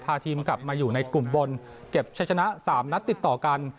พาทีมกลับมาอยู่ในกลุ่มบนเก็บใช้ชนะ๓นัดติดต่อกัน